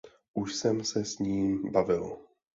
Už jsem se s ním bavil.